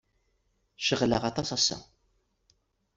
Ceɣleɣ aṭas ass-a.